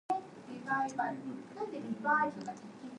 She was on only her second cruise.